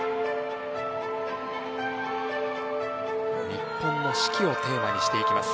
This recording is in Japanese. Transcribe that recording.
日本の四季をテーマにしていきます。